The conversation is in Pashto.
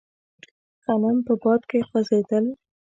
غنم په باد کې خوځېدل.